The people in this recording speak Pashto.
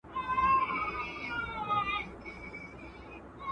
مطالعه د شخصیت د ودې لپاره مهمه ده.